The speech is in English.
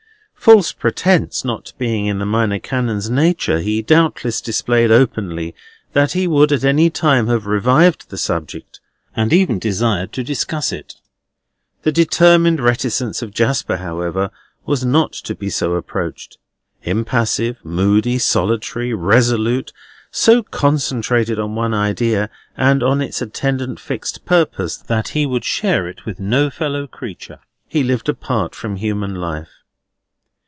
False pretence not being in the Minor Canon's nature, he doubtless displayed openly that he would at any time have revived the subject, and even desired to discuss it. The determined reticence of Jasper, however, was not to be so approached. Impassive, moody, solitary, resolute, so concentrated on one idea, and on its attendant fixed purpose, that he would share it with no fellow creature, he lived apart from human life.